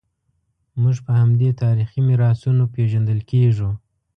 موږ په همدې تاریخي میراثونو پېژندل کېږو.